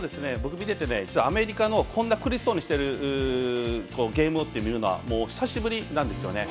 見てて、アメリカの苦しそうにしているゲームを見るのは久しぶりなんですよね。